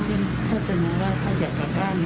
เกือบที่มึงได้ว่าเขาอยากกระก้าง